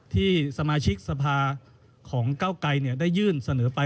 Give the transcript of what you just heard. ที่สมาชิกสภาของเก้าไกรได้ยื่นเสนอไป